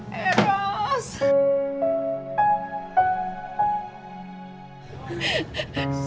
kapan sih cuy